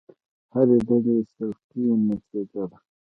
هرې ډلې سلیقې نتیجه ده.